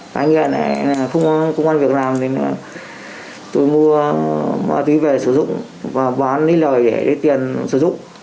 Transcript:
tái nghiện là không có công an việc làm tôi mua ma túy về sử dụng và bán lấy lời để tiền sử dụng